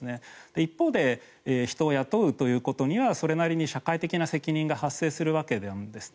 一方で、人を雇うということにはそれなりに社会的な責任が発生するわけなんですね。